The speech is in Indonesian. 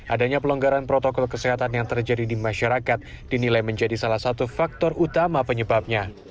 adanya pelonggaran protokol kesehatan yang terjadi di masyarakat dinilai menjadi salah satu faktor utama penyebabnya